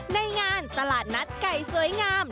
ในงานตลาดนัดไก่สวยงาม